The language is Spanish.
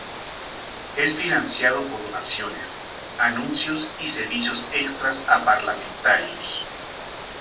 Es financiado por donaciones, anuncios y servicios extras a parlamentarios.